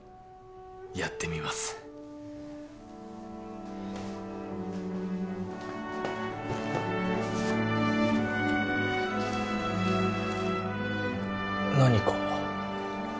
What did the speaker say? やってみます何か？